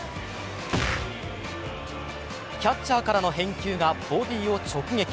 キャッチャーからの返球がボディーを直撃。